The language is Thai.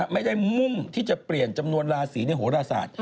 มุ่งที่จะเปลี่ยนจำนวนราศีในโหรศาสตร์